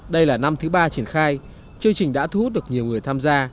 đây là năm thứ ba triển khai chương trình đã thu hút được nhiều người tham gia